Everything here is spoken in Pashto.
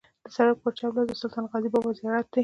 د سړک پر چپ لاس د سلطان غازي بابا زیارت دی.